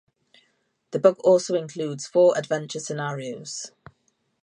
The book also includes four adventure scenarios.